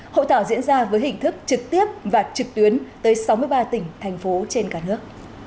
hội thảo diễn ra với hình thức trực tiếp và trực tuyến tới sáu mươi ba tỉnh thành phố trên cả nước